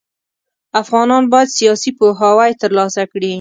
افغانان بايد سياسي پوهاوی ترلاسه کړي.